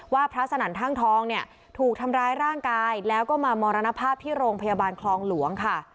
พระสนั่นท่างทองเนี่ยถูกทำร้ายร่างกายแล้วก็มามรณภาพที่โรงพยาบาลคลองหลวงค่ะ